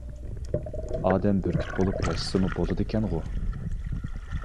ئادەم بۈركۈت بولۇپ ياشىسىمۇ بولىدىكەنغۇ؟ !